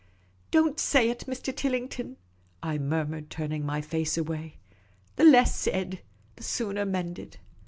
" Don't say it, Mr. Tillington," I murmured, turning my face away. " The less said, the sooner mended."